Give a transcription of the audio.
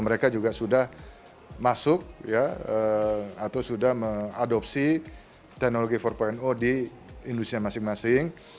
mereka juga sudah masuk atau sudah mengadopsi teknologi empat di industri masing masing